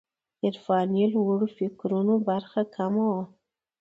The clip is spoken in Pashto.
عرفاني لوړو فکرونو برخه کمه وه.